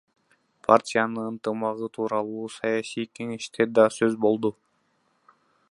Партиянын ынтымагы тууралуу саясий кеңеште да сөз болду.